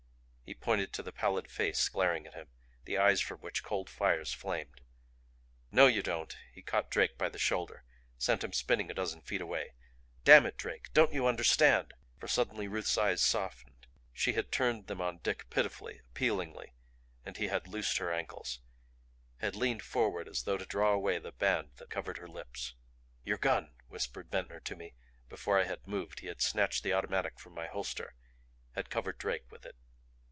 He pointed to the pallid face glaring at him, the eyes from which cold fires flamed. "No, you don't!" He caught Drake by the shoulder, sent him spinning a dozen feet away. "Damn it, Drake don't you understand!" For suddenly Ruth's eyes softened; she had turned them on Dick pitifully, appealingly and he had loosed her ankles, had leaned forward as though to draw away the band that covered her lips. "Your gun," whispered Ventnor to me; before I had moved he had snatched the automatic from my holster; had covered Drake with it.